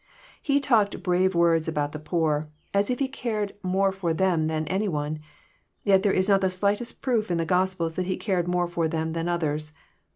He talked brave words about the poor, as if he cared more for them than any one ! Yet there is not the slightest proof in the Gospels that he cared more for them than others.